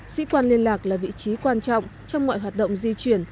sĩ quan liên lạc là vị trí quan trọng trong mọi hoạt động di chuyển